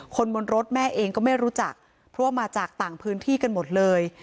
คนบนรถแม่เองก็ไม่รู้จักเพราะว่ามาจากต่างพื้นที่กันหมดเลย